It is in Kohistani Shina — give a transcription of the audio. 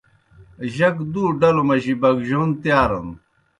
جک دُو ڈلوْ مجیْ بگجون تِیارَن۔